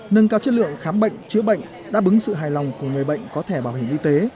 nâng cao chất lượng khám bệnh chữa bệnh đáp bứng sự hài lòng của người bệnh có thẻ bảo hiểm y tế